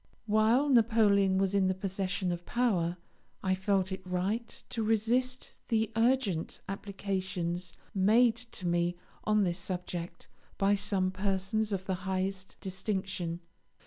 While Napoleon was in the possession of power I felt it right to resist the urgent applications made to me on this subject by some persons of the highest distinction.